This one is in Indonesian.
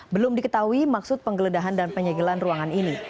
belum diketahui maksud penggeledahan dan penyegelan ruangan ini